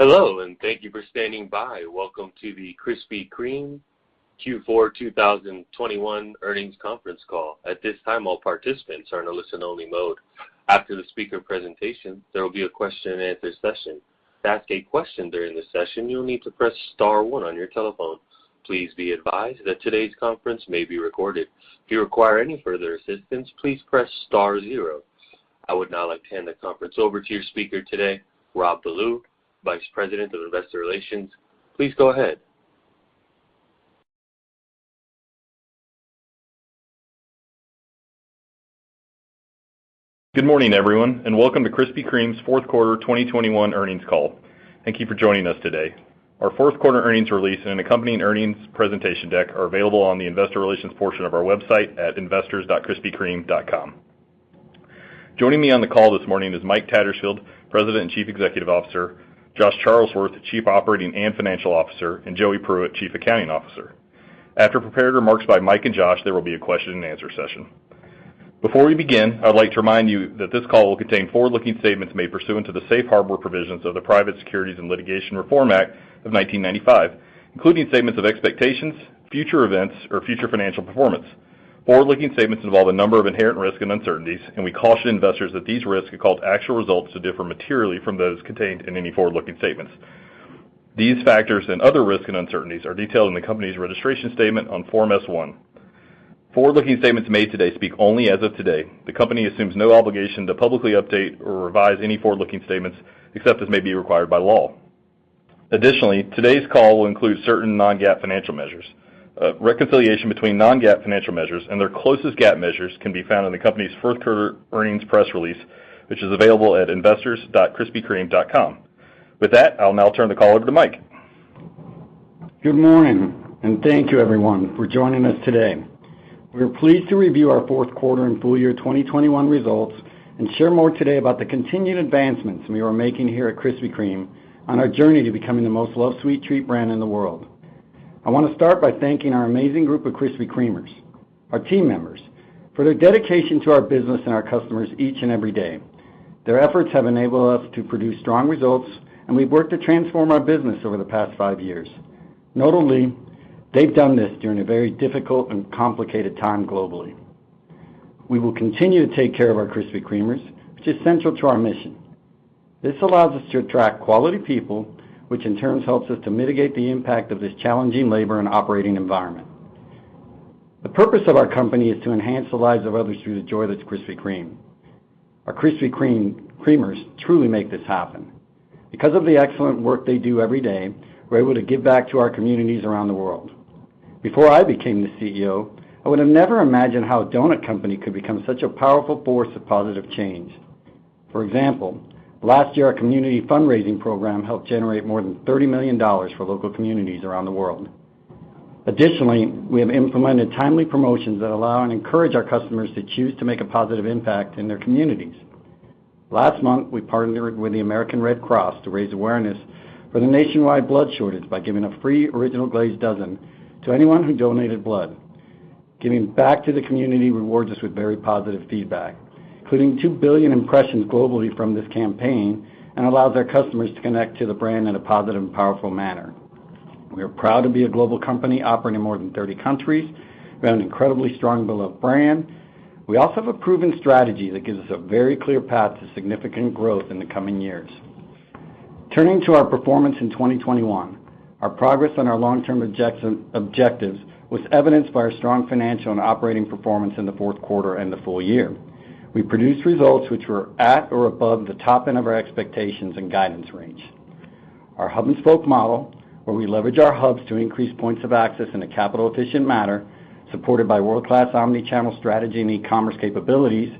Hello, and thank you for standing by. Welcome to the Krispy Kreme Q4 2021 earnings conference call. At this time, all participants are in a listen-only mode. After the speaker presentation, there will be a question-and-answer session. To ask a question during the session, you'll need to press star one on your telephone. Please be advised that today's conference may be recorded. If you require any further assistance, please press star zero. I would now like to hand the conference over to your speaker today, Rob Ballew, Vice President of Investor Relations. Please go ahead. Good morning, everyone, and welcome to Krispy Kreme's fourth quarter 2021 earnings call. Thank you for joining us today. Our fourth quarter earnings release and accompanying earnings presentation deck are available on the investor relations portion of our website at investors.krispykreme.com. Joining me on the call this morning is Mike Tattersfield, President and Chief Executive Officer, Josh Charlesworth, Chief Operating and Financial Officer, and Joey Pruitt, Chief Accounting Officer. After prepared remarks by Mike and Josh, there will be a question-and-answer session. Before we begin, I'd like to remind you that this call will contain forward-looking statements made pursuant to the Safe Harbor Provisions of the Private Securities Litigation Reform Act of 1995, including statements of expectations, future events, or future financial performance. Forward-looking statements involve a number of inherent risks and uncertainties, and we caution investors that these risks could cause actual results to differ materially from those contained in any forward-looking statements. These factors and other risks and uncertainties are detailed in the company's registration statement on Form S-1. Forward-looking statements made today speak only as of today. The company assumes no obligation to publicly update or revise any forward-looking statements except as may be required by law. Additionally, today's call will include certain non-GAAP financial measures. Reconciliation between non-GAAP financial measures and their closest GAAP measures can be found in the company's fourth quarter earnings press release, which is available at investors.krispykreme.com. With that, I'll now turn the call over to Mike. Good morning, and thank you, everyone, for joining us today. We are pleased to review our fourth quarter and full year 2021 results and share more today about the continued advancements we are making here at Krispy Kreme on our journey to becoming the most loved sweet treat brand in the world. I wanna start by thanking our amazing group of Krispy Kremers, our team members, for their dedication to our business and our customers each and every day. Their efforts have enabled us to produce strong results, and we've worked to transform our business over the past five years. Notably, they've done this during a very difficult and complicated time globally. We will continue to take care of our Krispy Kremers, which is central to our mission. This allows us to attract quality people, which in turn helps us to mitigate the impact of this challenging labor and operating environment. The purpose of our company is to enhance the lives of others through the joy that's Krispy Kreme. Our Krispy Kremers truly make this happen. Because of the excellent work they do every day, we're able to give back to our communities around the world. Before I became the CEO, I would have never imagined how a doughnut company could become such a powerful force of positive change. For example, last year, our community fundraising program helped generate more than $30 million for local communities around the world. Additionally, we have implemented timely promotions that allow and encourage our customers to choose to make a positive impact in their communities. Last month, we partnered with the American Red Cross to raise awareness for the nationwide blood shortage by giving a free Original Glazed dozen to anyone who donated blood. Giving back to the community rewards us with very positive feedback, including 2 billion impressions globally from this campaign and allows our customers to connect to the brand in a positive and powerful manner. We are proud to be a global company operating in more than 30 countries. We have an incredibly strong, beloved brand. We also have a proven strategy that gives us a very clear path to significant growth in the coming years. Turning to our performance in 2021, our progress on our long-term objectives was evidenced by our strong financial and operating performance in the fourth quarter and the full year. We produced results which were at or above the top end of our expectations and guidance range. Our hub and spoke model, where we leverage our hubs to increase points of access in a capital-efficient manner, supported by world-class omni-channel strategy and e-commerce capabilities,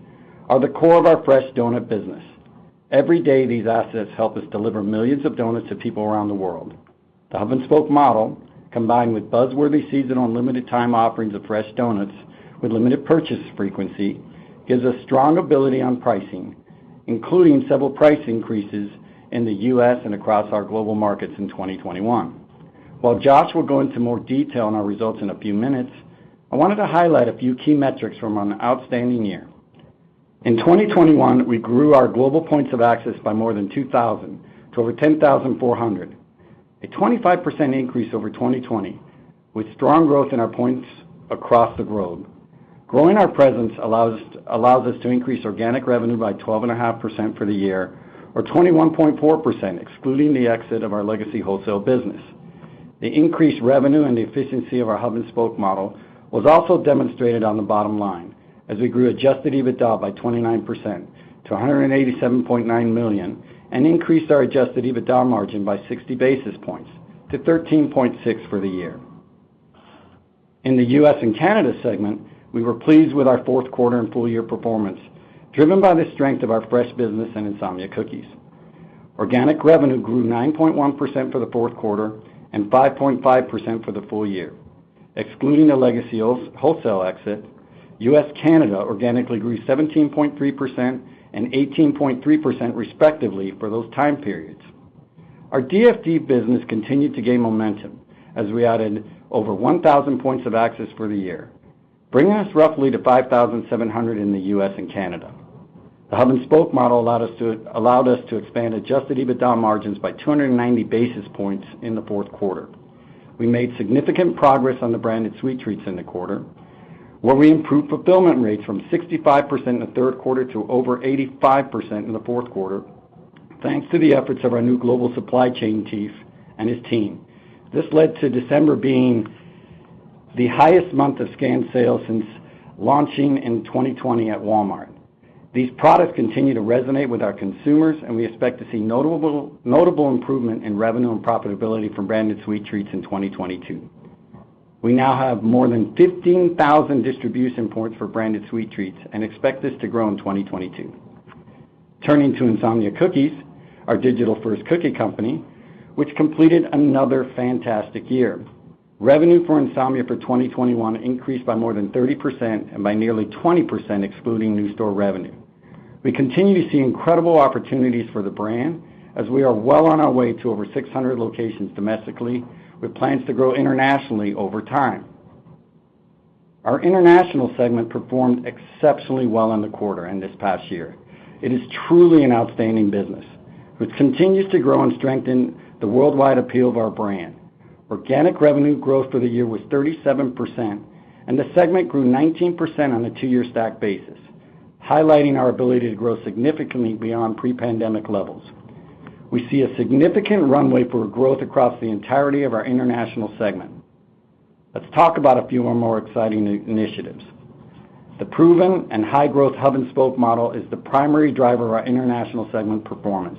are the core of our fresh doughnut business. Every day, these assets help us deliver millions of doughnuts to people around the world. The hub and spoke model, combined with buzzworthy season on limited time offerings of fresh doughnuts with limited purchase frequency, gives us strong ability on pricing, including several price increases in the U.S. and across our global markets in 2021. While Josh will go into more detail on our results in a few minutes, I wanted to highlight a few key metrics from an outstanding year. In 2021, we grew our global points of access by more than 2,000 to over 10,400, a 25% increase over 2020, with strong growth in our points across the globe. Growing our presence allows us to increase organic revenue by 12.5% for the year, or 21.4% excluding the exit of our legacy wholesale business. The increased revenue and the efficiency of our hub and spoke model was also demonstrated on the bottom line as we grew adjusted EBITDA by 29% to $187.9 million and increased our adjusted EBITDA margin by 60 basis points to 13.6% for the year. In the U.S. and Canada segment, we were pleased with our fourth quarter and full year performance, driven by the strength of our fresh business and Insomnia Cookies. Organic revenue grew 9.1% for the fourth quarter and 5.5% for the full year. Excluding the legacy wholesale exit, U.S./Canada organically grew 17.3% and 18.3% respectively for those time periods. Our DFD business continued to gain momentum as we added over 1,000 points of access for the year. Bringing us roughly to 5,700 in the U.S. and Canada. The hub and spoke model allowed us to expand adjusted EBITDA margins by 290 basis points in the fourth quarter. We made significant progress on the Branded Sweet Treats in the quarter, where we improved fulfillment rates from 65% in the third quarter to over 85% in the fourth quarter, thanks to the efforts of our new global supply chain chief and his team. This led to December being the highest month of scanned sales since launching in 2020 at Walmart. These products continue to resonate with our consumers, and we expect to see notable improvement in revenue and profitability from Branded Sweet Treats in 2022. We now have more than 15,000 distribution points for Branded Sweet Treats and expect this to grow in 2022. Turning to Insomnia Cookies, our digital-first cookie company, which completed another fantastic year. Revenue for Insomnia for 2021 increased by more than 30% and by nearly 20% excluding new store revenue. We continue to see incredible opportunities for the brand as we are well on our way to over 600 locations domestically, with plans to grow internationally over time. Our international segment performed exceptionally well in the quarter and this past year. It is truly an outstanding business, which continues to grow and strengthen the worldwide appeal of our brand. Organic revenue growth for the year was 37%, and the segment grew 19% on a two-year stack basis, highlighting our ability to grow significantly beyond pre-pandemic levels. We see a significant runway for growth across the entirety of our international segment. Let's talk about a few of our more exciting initiatives. The proven and high-growth hub and spoke model is the primary driver of our international segment performance.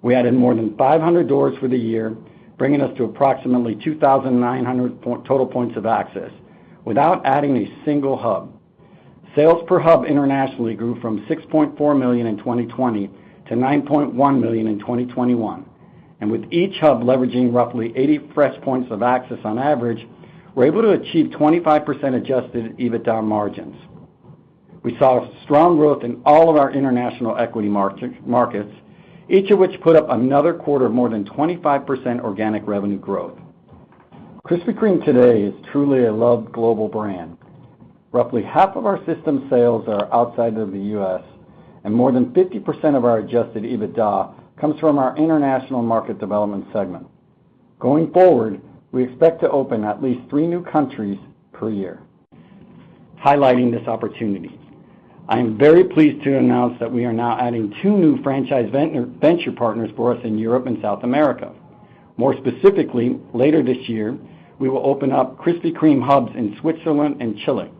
We added more than 500 doors for the year, bringing us to approximately 2,900 total points of access without adding a single hub. Sales per hub internationally grew from $6.4 million in 2020 to $9.1 million in 2021. With each hub leveraging roughly 80 fresh points of access on average, we're able to achieve 25% adjusted EBITDA margins. We saw strong growth in all of our international markets, each of which put up another quarter of more than 25% organic revenue growth. Krispy Kreme today is truly a loved global brand. Roughly half of our system sales are outside of the U.S., and more than 50% of our adjusted EBITDA comes from our international market development segment. Going forward, we expect to open at least 3 new countries per year. Highlighting this opportunity, I am very pleased to announce that we are now adding two new franchise venture partners for us in Europe and South America. More specifically, later this year, we will open up Krispy Kreme hubs in Switzerland and Chile.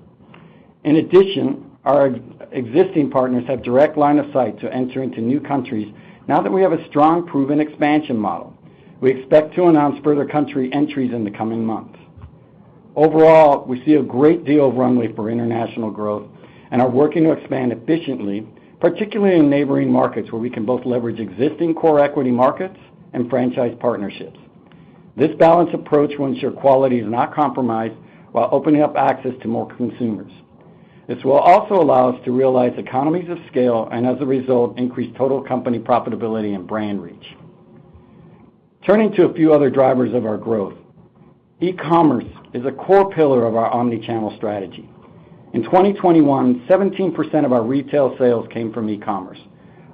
In addition, our existing partners have direct line of sight to enter into new countries now that we have a strong, proven expansion model. We expect to announce further country entries in the coming months. Overall, we see a great deal of runway for international growth and are working to expand efficiently, particularly in neighboring markets where we can both leverage existing core equity markets and franchise partnerships. This balanced approach will ensure quality is not compromised while opening up access to more consumers. This will also allow us to realize economies of scale and, as a result, increase total company profitability and brand reach. Turning to a few other drivers of our growth. E-commerce is a core pillar of our omni-channel strategy. In 2021, 17% of our retail sales came from e-commerce,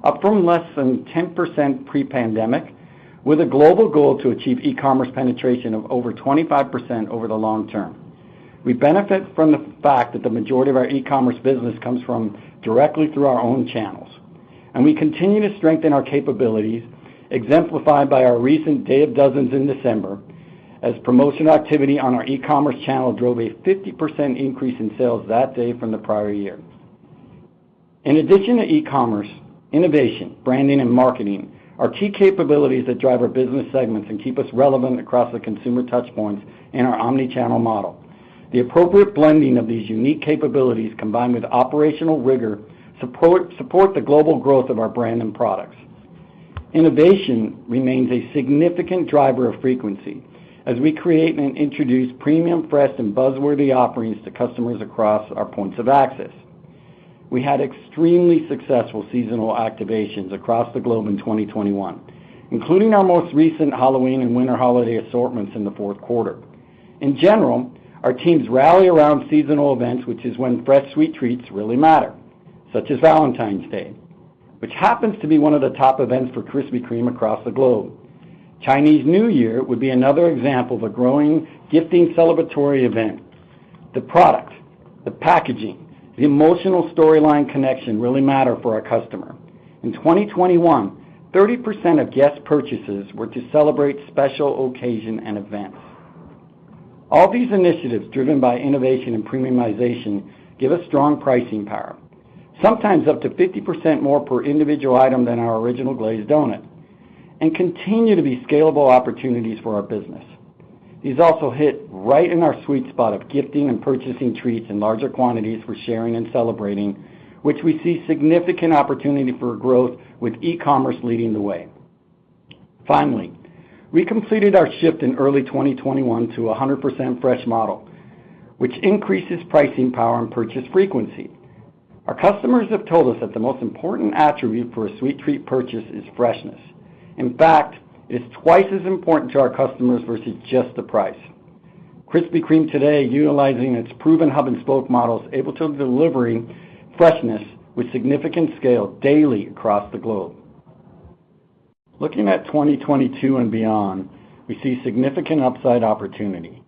up from less than 10% pre-pandemic, with a global goal to achieve e-commerce penetration of over 25% over the long term. We benefit from the fact that the majority of our e-commerce business comes from directly through our own channels, and we continue to strengthen our capabilities, exemplified by our recent Day of Dozens in December, as promotion activity on our e-commerce channel drove a 50% increase in sales that day from the prior year. In addition to e-commerce, innovation, branding, and marketing are key capabilities that drive our business segments and keep us relevant across the consumer touch points in our omni-channel model. The appropriate blending of these unique capabilities, combined with operational rigor, support the global growth of our brand and products. Innovation remains a significant driver of frequency as we create and introduce premium fresh and buzz-worthy offerings to customers across our points of access. We had extremely successful seasonal activations across the globe in 2021, including our most recent Halloween and winter holiday assortments in the fourth quarter. In general, our teams rally around seasonal events, which is when fresh, sweet treats really matter, such as Valentine's Day, which happens to be one of the top events for Krispy Kreme across the globe. Chinese New Year would be another example of a growing gifting celebratory event. The product, the packaging, the emotional storyline connection really matter for our customer. In 2021, 30% of guest purchases were to celebrate special occasion and events. All these initiatives driven by innovation and premiumization give us strong pricing power, sometimes up to 50% more per individual item than our Original Glazed doughnut, and continue to be scalable opportunities for our business. These also hit right in our sweet spot of gifting and purchasing treats in larger quantities for sharing and celebrating, which we see significant opportunity for growth with e-commerce leading the way. Finally, we completed our shift in early 2021 to a 100% fresh model, which increases pricing power and purchase frequency. Our customers have told us that the most important attribute for a sweet treat purchase is freshness. In fact, it's twice as important to our customers versus just the price. Krispy Kreme today, utilizing its proven hub and spoke model, is able to deliver freshness with significant scale daily across the globe. Looking at 2022 and beyond, we see significant upside opportunity.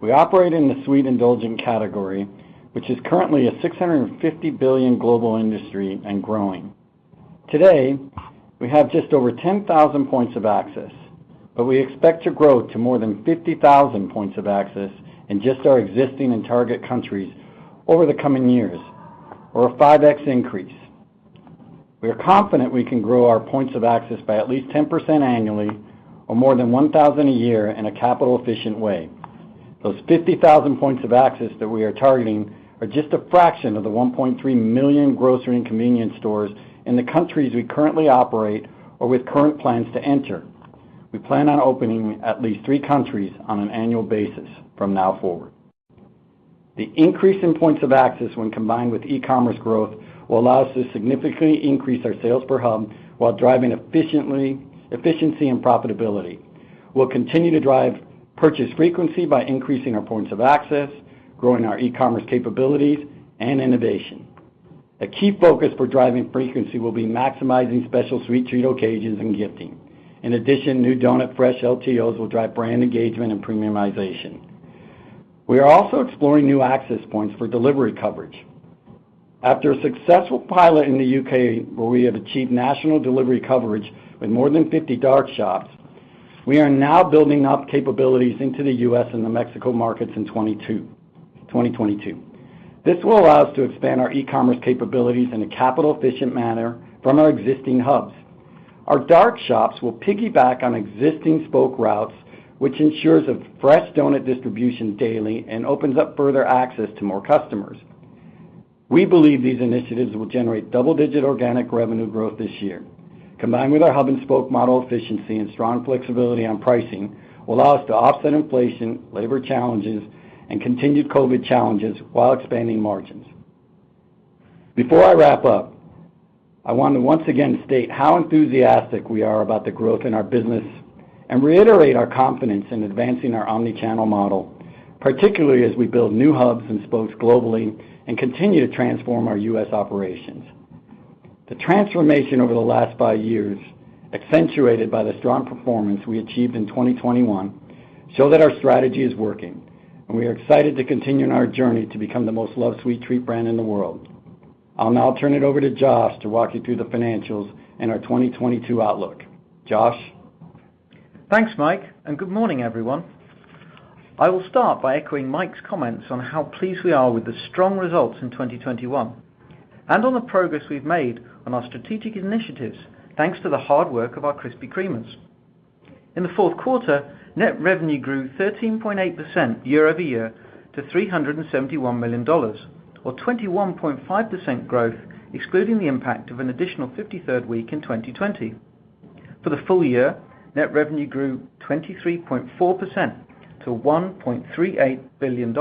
We operate in the sweet indulgent category, which is currently a $650 billion global industry and growing. Today, we have just over 10,000 points of access, but we expect to grow to more than 50,000 points of access in just our existing and target countries over the coming years or a 5x increase. We are confident we can grow our points of access by at least 10% annually or more than 1,000 a year in a capital efficient way. Those 50,000 points of access that we are targeting are just a fraction of the 1.3 million grocery and convenience stores in the countries we currently operate or with current plans to enter. We plan on opening at least three countries on an annual basis from now forward. The increase in points of access when combined with e-commerce growth will allow us to significantly increase our sales per hub while driving efficiency and profitability. We'll continue to drive purchase frequency by increasing our points of access, growing our e-commerce capabilities and innovation. A key focus for driving frequency will be maximizing special sweet treat occasions and gifting. In addition, new doughnut fresh LTOs will drive brand engagement and premiumization. We are also exploring new access points for delivery coverage. After a successful pilot in the U.K. where we have achieved national delivery coverage with more than 50 dark shops, we are now building up capabilities into the U.S. and the Mexico markets in 2022. This will allow us to expand our e-commerce capabilities in a capital efficient manner from our existing hubs. Our dark shops will piggyback on existing spoke routes, which ensures a fresh doughnut distribution daily and opens up further access to more customers. We believe these initiatives will generate double-digit organic revenue growth this year. Combined with our hub and spoke model efficiency and strong flexibility on pricing will allow us to offset inflation, labor challenges, and continued COVID challenges while expanding margins. Before I wrap up, I want to once again state how enthusiastic we are about the growth in our business and reiterate our confidence in advancing our omni-channel model, particularly as we build new hubs and spokes globally and continue to transform our U.S. operations. The transformation over the last five years, accentuated by the strong performance we achieved in 2021, show that our strategy is working, and we are excited to continue on our journey to become the most loved sweet treat brand in the world. I'll now turn it over to Josh to walk you through the financials and our 2022 outlook. Josh? Thanks, Mike, and good morning, everyone. I will start by echoing Mike's comments on how pleased we are with the strong results in 2021 and on the progress we've made on our strategic initiatives, thanks to the hard work of our Krispy Kremers. In the fourth quarter, net revenue grew 13.8% year-over-year to $371 million or 21.5% growth, excluding the impact of an additional 53rd week in 2020. For the full year, net revenue grew 23.4% to $1.38 billion.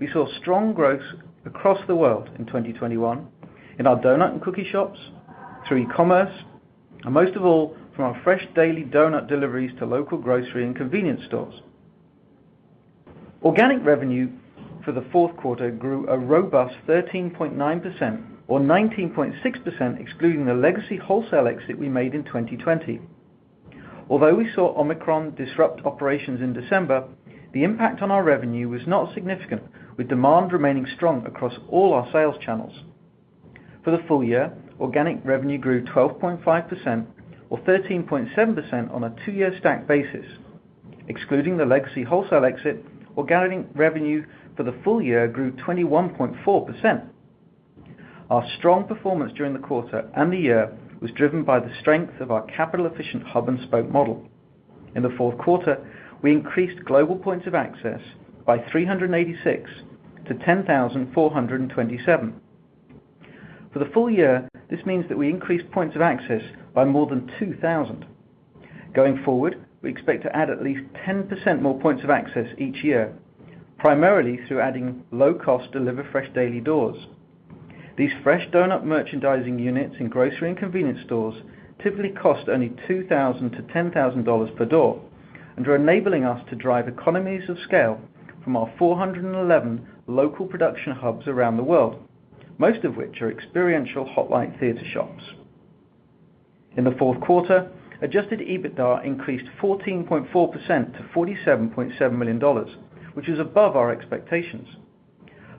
We saw strong growth across the world in 2021 in our donut and cookie shops, through e-commerce, and most of all, from our fresh daily donut deliveries to local grocery and convenience stores. Organic revenue for the fourth quarter grew a robust 13.9% or 19.6%, excluding the legacy wholesale exit we made in 2020. Although we saw Omicron disrupt operations in December, the impact on our revenue was not significant, with demand remaining strong across all our sales channels. For the full year, organic revenue grew 12.5% or 13.7% on a two-year stack basis. Excluding the legacy wholesale exit, organic revenue for the full year grew 21.4%. Our strong performance during the quarter and the year was driven by the strength of our capital efficient hub and spoke model. In the fourth quarter, we increased global points of access by 386 to 10,427. For the full year, this means that we increased points of access by more than 2,000. Going forward, we expect to add at least 10% more points of access each year, primarily through adding low-cost Delivered Fresh Daily doors. These fresh doughnut merchandising units in grocery and convenience stores typically cost only $2,000-$10,000 per door and are enabling us to drive economies of scale from our 411 local production hubs around the world, most of which are experiential Hot Light Theater Shops. In the fourth quarter, adjusted EBITDA increased 14.4% to $47.7 million, which is above our expectations.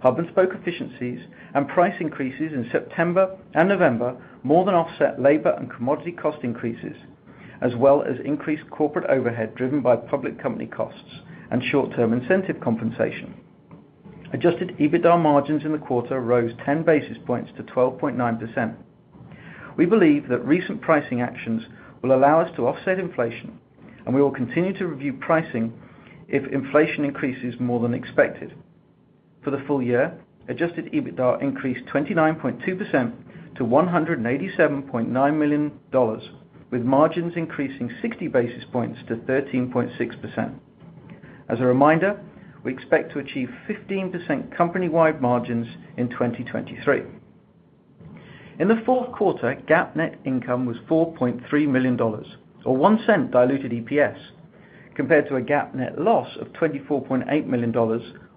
Hub and spoke efficiencies and price increases in September and November more than offset labor and commodity cost increases, as well as increased corporate overhead driven by public company costs and short-term incentive compensation. Adjusted EBITDA margins in the quarter rose 10 basis points to 12.9%. We believe that recent pricing actions will allow us to offset inflation, and we will continue to review pricing if inflation increases more than expected. For the full year, adjusted EBITDA increased 29.2% to $187.9 million, with margins increasing 60 basis points to 13.6%. As a reminder, we expect to achieve 15% company-wide margins in 2023. In the fourth quarter, GAAP net income was $4.3 million or $0.01 diluted EPS, compared to a GAAP net loss of $24.8 million,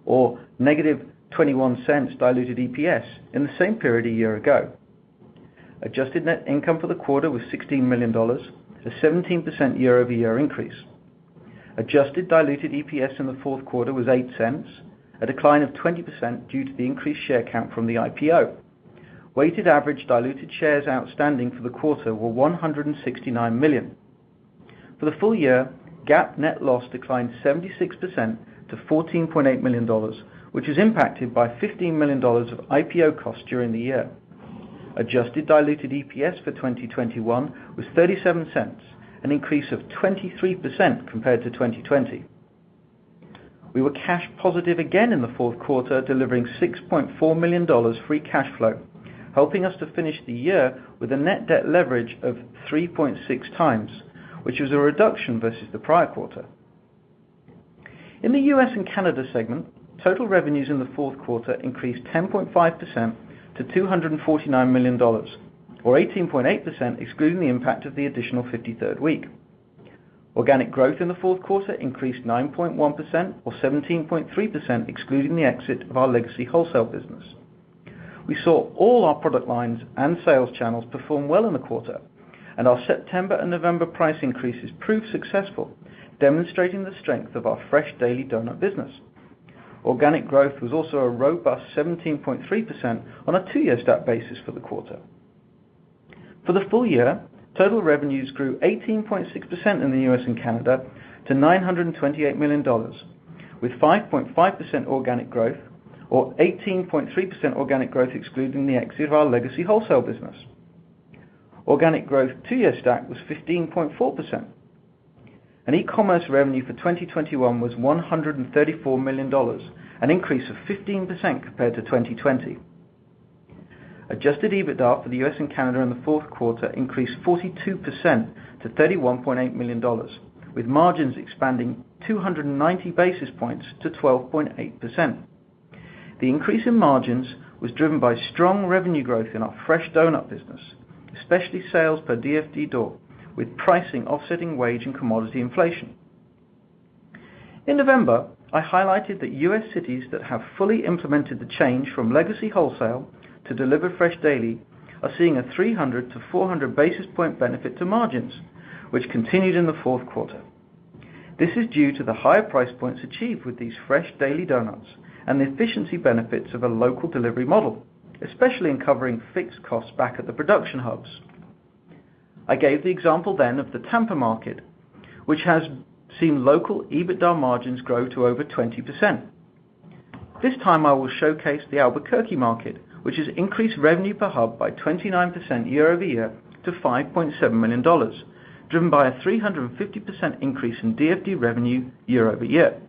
or -$0.21 diluted EPS in the same period a year ago. Adjusted net income for the quarter was $16 million, a 17% year-over-year increase. Adjusted diluted EPS in the fourth quarter was $0.08, a decline of 20% due to the increased share count from the IPO. Weighted average diluted shares outstanding for the quarter were 169 million. For the full year, GAAP net loss declined 76% to $14.8 million, which is impacted by $15 million of IPO costs during the year. Adjusted diluted EPS for 2021 was $0.37, an increase of 23% compared to 2020. We were cash positive again in the fourth quarter, delivering $6.4 million free cash flow, helping us to finish the year with a net debt leverage of 3.6 times, which is a reduction versus the prior quarter. In the U.S. and Canada segment, total revenues in the fourth quarter increased 10.5% to $249 million, or 18.8%, excluding the impact of the additional 53rd week. Organic growth in the fourth quarter increased 9.1% or 17.3%, excluding the exit of our legacy wholesale business. We saw all our product lines and sales channels perform well in the quarter, and our September and November price increases proved successful, demonstrating the strength of our fresh daily doughnut business. Organic growth was also a robust 17.3% on a two-year stack basis for the quarter. For the full year, total revenues grew 18.6% in the U.S. and Canada to $928 million, with 5.5% organic growth or 18.3% organic growth, excluding the exit of our legacy wholesale business. Organic growth two-year stack was 15.4%. E-commerce revenue for 2021 was $134 million, an increase of 15% compared to 2020. Adjusted EBITDA for the U.S. and Canada in the fourth quarter increased 42% to $31.8 million, with margins expanding 290 basis points to 12.8%. The increase in margins was driven by strong revenue growth in our fresh doughnut business, especially sales per DFD door, with pricing offsetting wage and commodity inflation. In November, I highlighted that U.S. cities that have fully implemented the change from legacy wholesale to Delivered Fresh Daily are seeing a 300-400 basis point benefit to margins, which continued in the fourth quarter. This is due to the higher price points achieved with these fresh daily doughnuts and the efficiency benefits of a local delivery model, especially in covering fixed costs back at the production hubs. I gave the example then of the Tampa market, which has seen local EBITDA margins grow to over 20%. This time I will showcase the Albuquerque market, which has increased revenue per hub by 29% year-over-year to $5.7 million, driven by a 350% increase in DFD revenue year-over-year.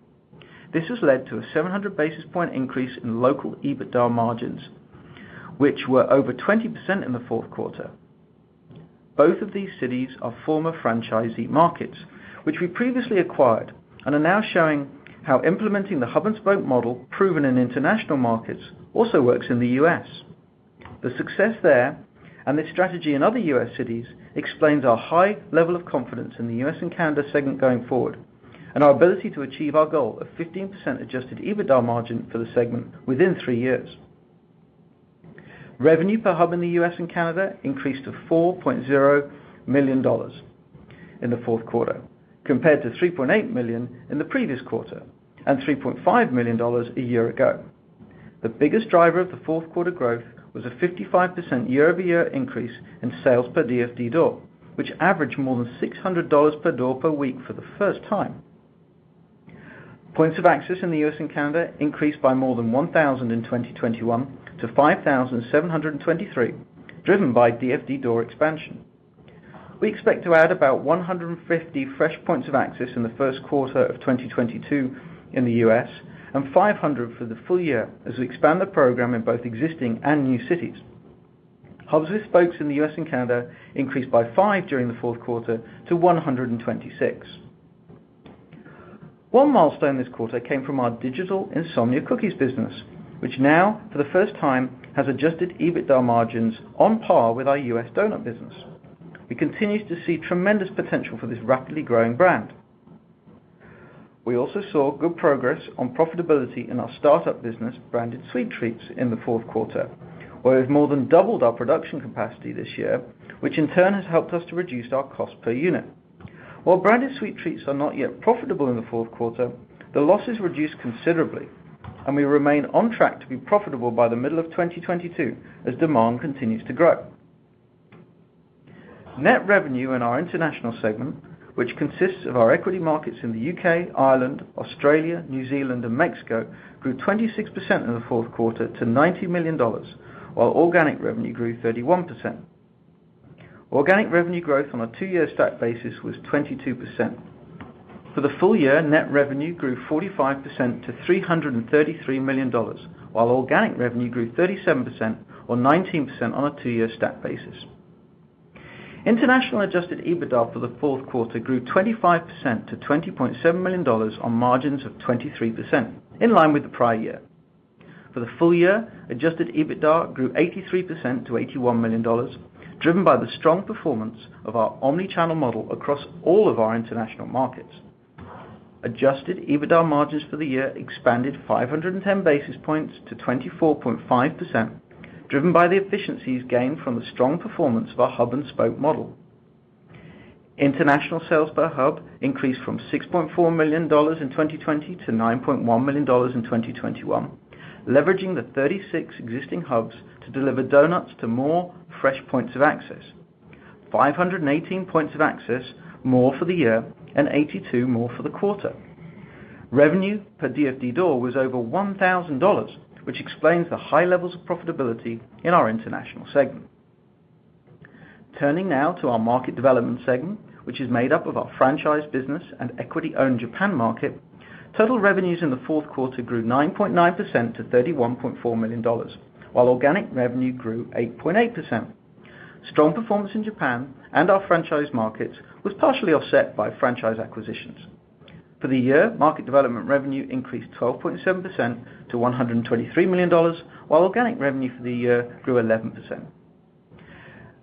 This has led to a 700 basis point increase in local EBITDA margins, which were over 20% in the fourth quarter. Both of these cities are former franchisee markets, which we previously acquired and are now showing how implementing the hub and spoke model proven in international markets also works in the U.S. The success there and the strategy in other U.S. cities explains our high level of confidence in the U.S. and Canada segment going forward, and our ability to achieve our goal of 15% adjusted EBITDA margin for the segment within three years. Revenue per hub in the U.S. and Canada increased to $4.0 million in the fourth quarter, compared to $3.8 million in the previous quarter, and $3.5 million a year ago. The biggest driver of the fourth quarter growth was a 55% year-over-year increase in sales per DFD door, which averaged more than $600 per door per week for the first time. Points of access in the U.S. and Canada increased by more than 1,000 in 2021 to 5,723, driven by DFD door expansion. We expect to add about 150 fresh points of access in the first quarter of 2022 in the U.S. and 500 for the full year as we expand the program in both existing and new cities. Hubs with spokes in the U.S. and Canada increased by five during the fourth quarter to 126. One milestone this quarter came from our digital Insomnia Cookies business, which now for the first time, has adjusted EBITDA margins on par with our U.S. donut business. We continue to see tremendous potential for this rapidly growing brand. We also saw good progress on profitability in our start-up business, Branded Sweet Treats, in the fourth quarter, where we've more than doubled our production capacity this year, which in turn has helped us to reduce our cost per unit. While Branded Sweet Treats are not yet profitable in the fourth quarter, the loss is reduced considerably, and we remain on track to be profitable by the middle of 2022 as demand continues to grow. Net revenue in our International segment, which consists of our key markets in the U.K., Ireland, Australia, New Zealand, and Mexico, grew 26% in the fourth quarter to $90 million, while organic revenue grew 31%. Organic revenue growth on a two-year stack basis was 22%. For the full year, net revenue grew 45% to $333 million, while organic revenue grew 37% or 19% on a two-year stack basis. International adjusted EBITDA for the fourth quarter grew 25% to $20.7 million on margins of 23% in line with the prior year. For the full year, adjusted EBITDA grew 83% to $81 million, driven by the strong performance of our omni-channel model across all of our international markets. Adjusted EBITDA margins for the year expanded 510 basis points to 24.5%, driven by the efficiencies gained from the strong performance of our hub and spoke model. International sales per hub increased from $6.4 million in 2020 to $9.1 million in 2021, leveraging the 36 existing hubs to deliver donuts to more fresh points of access, 518 points of access more for the year and 82 more for the quarter. Revenue per DFD door was over $1,000, which explains the high levels of profitability in our international segment. Turning now to our market development segment, which is made up of our franchise business and equity-owned Japan market. Total revenues in the fourth quarter grew 9.9% to $31.4 million, while organic revenue grew 8.8%. Strong performance in Japan and our franchise markets was partially offset by franchise acquisitions. For the year, market development revenue increased 12.7% to $123 million, while organic revenue for the year grew 11%.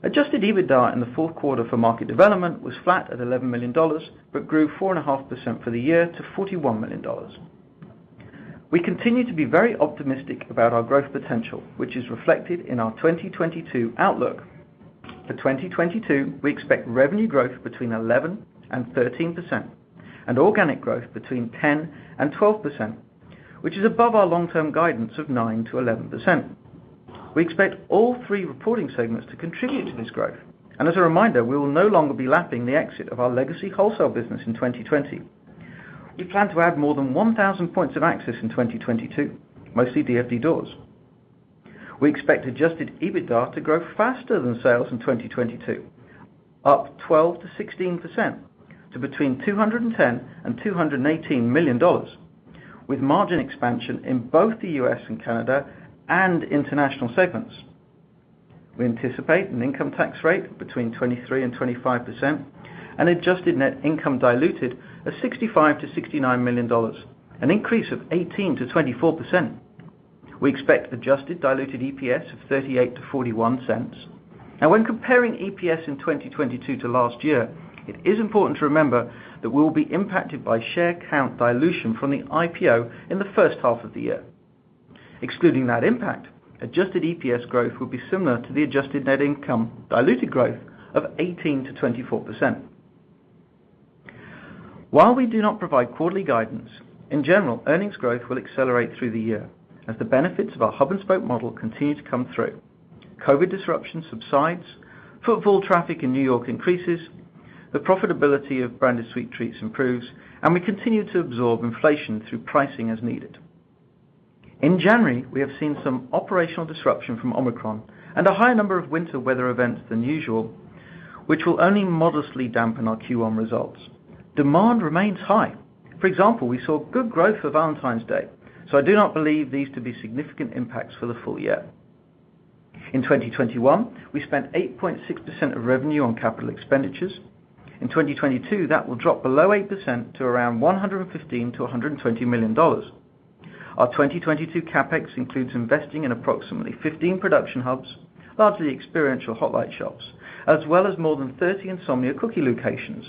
Adjusted EBITDA in the fourth quarter for market development was flat at $11 million, but grew 4.5% for the year to $41 million. We continue to be very optimistic about our growth potential, which is reflected in our 2022 outlook. For 2022, we expect revenue growth between 11%-13% and organic growth between 10%-12%, which is above our long-term guidance of 9%-11%. We expect all three reporting segments to contribute to this growth. As a reminder, we will no longer be lapping the exit of our legacy wholesale business in 2020. We plan to add more than 1,000 points of access in 2022, mostly DFD doors. We expect adjusted EBITDA to grow faster than sales in 2022, up 12%-16% to between $210 million and $218 million, with margin expansion in both the U.S. and Canada and international segments. We anticipate an income tax rate between 23%-25%, and adjusted net income diluted of $65 million-$69 million, an increase of 18%-24%. We expect adjusted diluted EPS of $0.38-$0.41. Now, when comparing EPS in 2022 to last year, it is important to remember that we'll be impacted by share count dilution from the IPO in the first half of the year. Excluding that impact, adjusted EPS growth will be similar to the adjusted net income diluted growth of 18%-24%. While we do not provide quarterly guidance, in general, earnings growth will accelerate through the year as the benefits of our hub and spoke model continue to come through, COVID disruption subsides, footfall traffic in New York increases, the profitability of Branded Sweet Treats improves, and we continue to absorb inflation through pricing as needed. In January, we have seen some operational disruption from Omicron and a higher number of winter weather events than usual, which will only modestly dampen our Q1 results. Demand remains high. For example, we saw good growth for Valentine's Day, so I do not believe these to be significant impacts for the full year. In 2021, we spent 8.6% of revenue on capital expenditures. In 2022, that will drop below 8% to around $115 million-$120 million. Our 2022 CapEx includes investing in approximately 15 production hubs, largely Hot Light Theater Shops, as well as more than 30 Insomnia Cookies locations.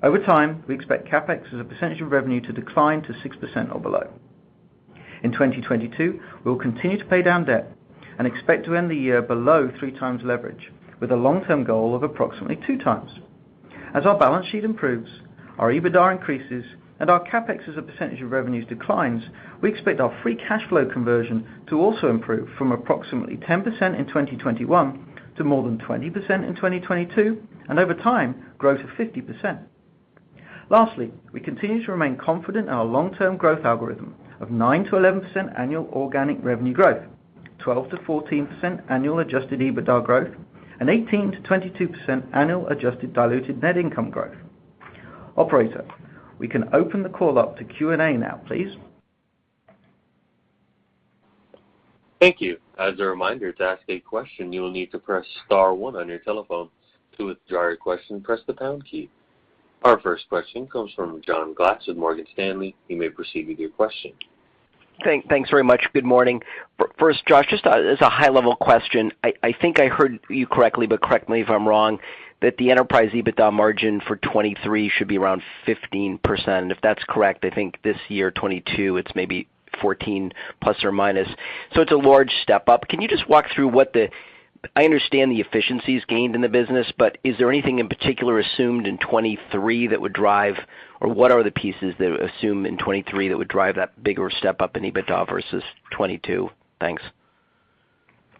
Over time, we expect CapEx as a percentage of revenue to decline to 6% or below. In 2022, we'll continue to pay down debt and expect to end the year below 3x leverage with a long-term goal of approximately 2x. As our balance sheet improves, our EBITDA increases, and our CapEx as a percentage of revenues declines, we expect our free cash flow conversion to also improve from approximately 10% in 2021 to more than 20% in 2022, and over time, growth of 50%. Lastly, we continue to remain confident in our long-term growth algorithm of 9%-11% annual organic revenue growth, 12%-14% annual adjusted EBITDA growth, and 18%-22% annual adjusted diluted net income growth. Operator, we can open the call up to Q&A now, please. Thank you. As a reminder, to ask a question, you will need to press star one on your telephone. To withdraw your question, press the pound key. Our first question comes from John Glass with Morgan Stanley. You may proceed with your question. Thanks very much. Good morning. First, Josh, just as a high-level question. I think I heard you correctly, but correct me if I'm wrong, that the enterprise EBITDA margin for 2023 should be around 15%. If that's correct, I think this year, 2022, it's maybe 14% plus or minus. It's a large step up. Can you just walk through what I understand the efficiencies gained in the business, but is there anything in particular assumed in 2023 that would drive, or what are the pieces that are assumed in 2023 that would drive that bigger step up in EBITDA versus 2022? Thanks.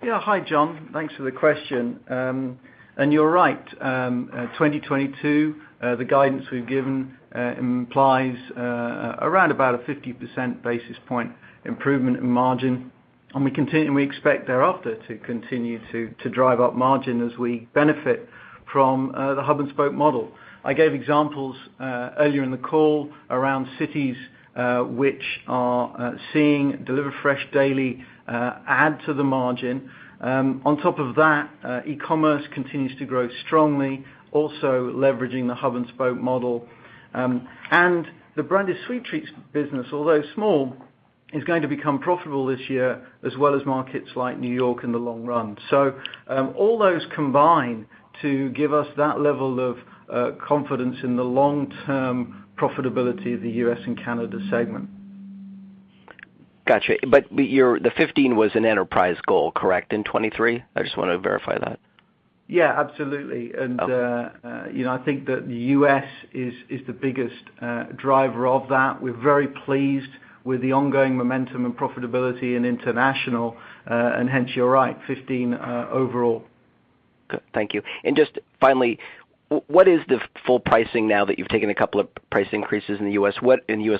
Yeah. Hi, John. Thanks for the question. You're right. 2022, the guidance we've given, implies around about a 50 basis point improvement in margin. We expect thereafter to continue to drive up margin as we benefit from the hub and spoke model. I gave examples earlier in the call around cities which are seeing Delivered Fresh Daily add to the margin. On top of that, e-commerce continues to grow strongly, also leveraging the hub and spoke model. The Branded Sweet Treats business, although small, is going to become profitable this year, as well as markets like New York in the long run. All those combine to give us that level of confidence in the long-term profitability of the U.S. and Canada segment. Got you. The 15 was an enterprise goal, correct, in 2023? I just want to verify that. Yeah, absolutely. Okay. You know, I think that the U.S. is the biggest driver of that. We're very pleased with the ongoing momentum and profitability in international, and hence, you're right, 15% overall. Good. Thank you. Just finally, what is the full pricing now that you've taken a couple of price increases in the U.S.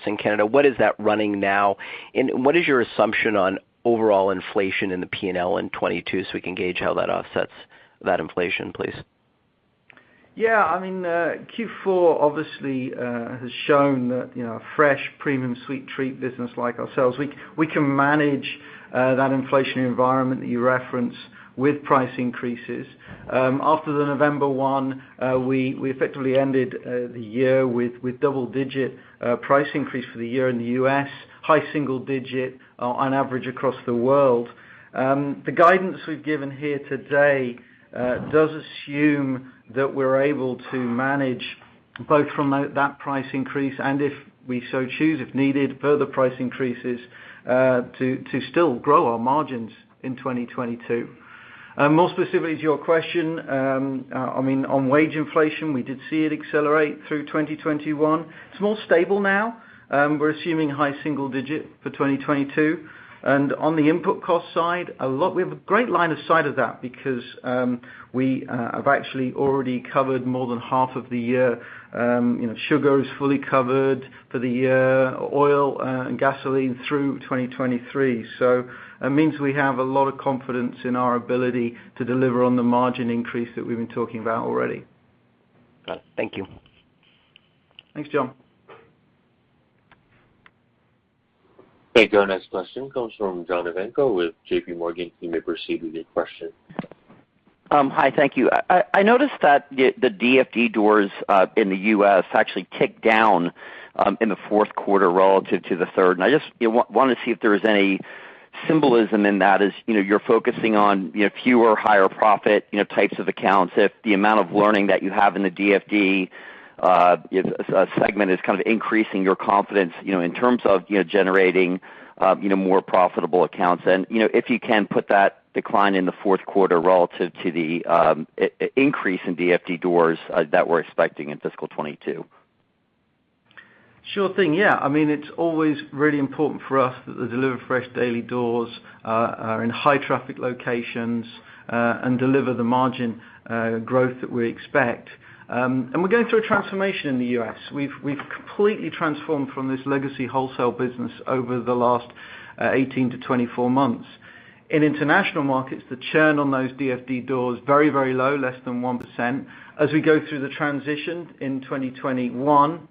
and Canada, what is that running now? What is your assumption on overall inflation in the P&L in 2022, so we can gauge how that offsets that inflation, please? Yeah, I mean, Q4 obviously has shown that, you know, a fresh premium sweet treat business like ourselves, we can manage that inflationary environment that you referenced with price increases. After the November one, we effectively ended the year with double-digit price increase for the year in the U.S., high single-digit on average across the world. The guidance we've given here today does assume that we're able to manage both from that price increase and if we so choose, if needed, further price increases to still grow our margins in 2022. More specifically to your question, I mean, on wage inflation, we did see it accelerate through 2021. It's more stable now. We're assuming high single-digit for 2022. On the input cost side, we have a great line of sight of that because we have actually already covered more than half of the year. You know, sugar is fully covered for the year, oil and gasoline through 2023. That means we have a lot of confidence in our ability to deliver on the margin increase that we've been talking about already. Got it. Thank you. Thanks, John. Thank you. Our next question comes from John Ivankoe with JPMorgan. You may proceed with your question. Hi. Thank you. I noticed that the DFD doors in the U.S. actually ticked down in the fourth quarter relative to the third. I just, you know, want to see if there is any symbolism in that as, you know, you're focusing on, you know, fewer higher profit, you know, types of accounts, if the amount of learning that you have in the DFD segment is kind of increasing your confidence, you know, in terms of, you know, generating, more profitable accounts. You know, if you can put that decline in the fourth quarter relative to the increase in DFD doors that we're expecting in fiscal 2022. Sure thing. Yeah. I mean, it's always really important for us that the Delivered Fresh Daily doors are in high traffic locations and deliver the margin growth that we expect. We're going through a transformation in the U.S. We've completely transformed from this legacy wholesale business over the last 18-24 months. In international markets, the churn on those DFD doors very, very low, less than 1%. As we go through the transition in 2021,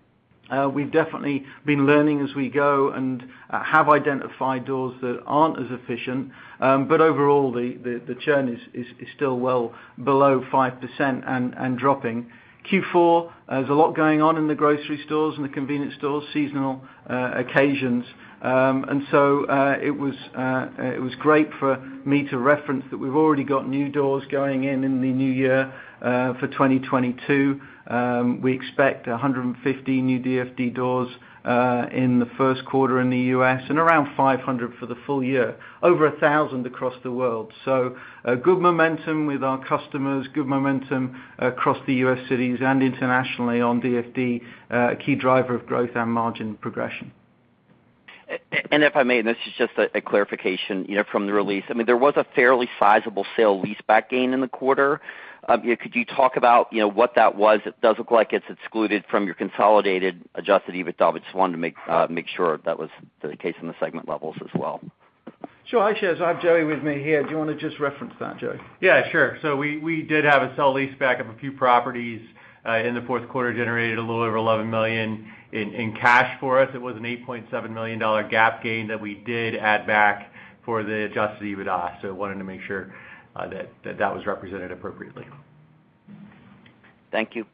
we've definitely been learning as we go and have identified doors that aren't as efficient. Overall, the churn is still well below 5% and dropping. Q4, there's a lot going on in the grocery stores and the convenience stores, seasonal occasions. It was great for me to reference that we've already got new doors going in in the new year for 2022. We expect 150 new DFD doors in the first quarter in the U.S. and around 500 for the full year, over 1,000 across the world. A good momentum with our customers, good momentum across the U.S. cities and internationally on DFD, a key driver of growth and margin progression. If I may, this is just a clarification, you know, from the release. I mean, there was a fairly sizable sale leaseback gain in the quarter. Could you talk about, you know, what that was? It does look like it's excluded from your consolidated adjusted EBITDA, but just wanted to make sure that was the case in the segment levels as well. Sure, I should add Joey with me here. Do you wanna just reference that, Joey? Yeah, sure. We did have a sale-leaseback of a few properties in the fourth quarter, generated a little over $11 million in cash for us. It was an $8.7 million GAAP gain that we did add back for the adjusted EBITDA. I wanted to make sure that that was represented appropriately. Thank you.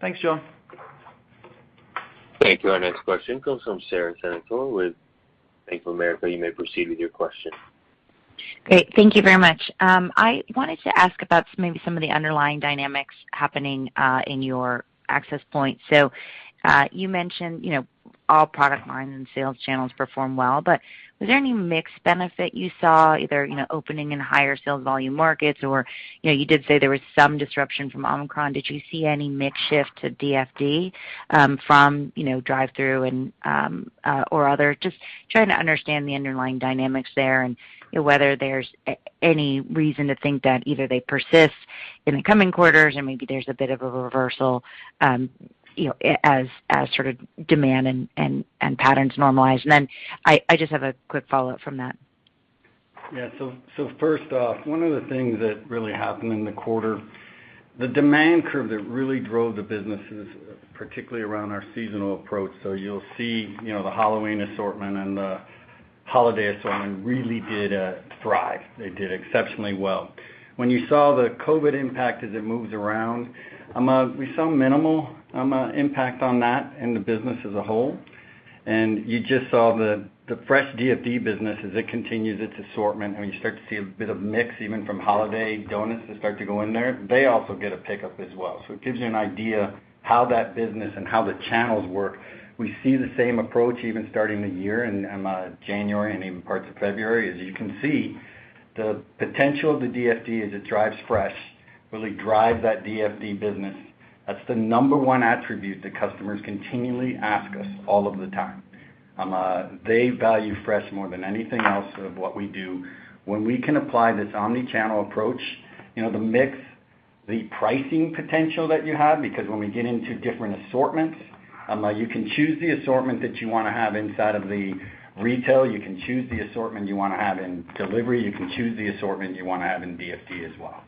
Thanks, John. Thank you. Our next question comes from Sara Senatore with Bank of America. You may proceed with your question. Great. Thank you very much. I wanted to ask about maybe some of the underlying dynamics happening in your access point. So, you mentioned, you know, all product lines and sales channels perform well, but was there any mix benefit you saw either, you know, opening in higher sales volume markets or, you know, you did say there was some disruption from Omicron. Did you see any mix shift to DFD from, you know, drive-through and or other? Just trying to understand the underlying dynamics there and, you know, whether there's any reason to think that either they persist in the coming quarters or maybe there's a bit of a reversal, you know, as sort of demand and patterns normalize. I just have a quick follow-up from that. Yeah. First off, one of the things that really happened in the quarter, the demand curve that really drove the businesses, particularly around our seasonal approach. You'll see, you know, the Halloween assortment and the Holiday assortment really did thrive. They did exceptionally well. When you saw the COVID impact as it moves around, we saw minimal impact on that in the business as a whole. You just saw the fresh DFD business as it continues its assortment, and you start to see a bit of mix even from holiday doughnuts that start to go in there, they also get a pickup as well. It gives you an idea how that business and how the channels work. We see the same approach even starting the year in January and even parts of February. As you can see, the potential of the DFD as it drives fresh really drives that DFD business. That's the number one attribute that customers continually ask us all of the time. They value fresh more than anything else of what we do. When we can apply this omni-channel approach, you know, the mix, the pricing potential that you have, because when we get into different assortments, you can choose the assortment that you wanna have inside of the retail, you can choose the assortment you wanna have in delivery, you can choose the assortment you wanna have in DFD as well.